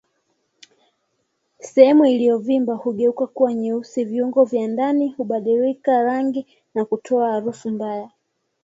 Sehemu iliyovimba hugeuka kuwa nyeusi viungo vya ndani hubadilika rangi na kutoa harufu mbaya